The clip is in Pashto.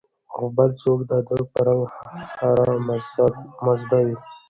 او بل څوک د ده په رنګ حرامزاده وي